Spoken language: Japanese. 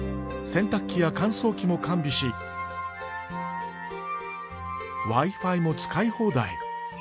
洗濯機や乾燥機も完備しＷｉ−Ｆｉも使い放題。